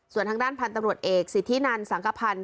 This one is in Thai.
ส่วนทางด้านพันธุ์ตำรวจเอกสิทธินันสังกภัณฑ์